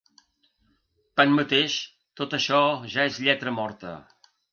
Tanmateix, tot això ja és lletra morta.